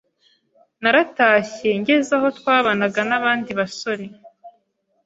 naratashye ngeze aho twabanaga n’abandi basore